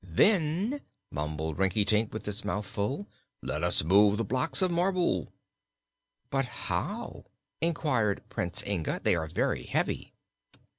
"Then," mumbled Rinkitink, with his mouth full, "let us move the blocks of marble." "But how?" inquired Prince Inga. "They are very heavy."